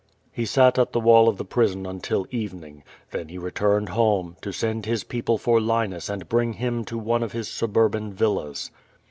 He sat at the wall of the prison until evening. Then he returned home, to send his people for Linus and bring liinl to one of his suburban villas.